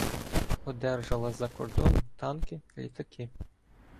Одержала з-за кордону танки, літаки.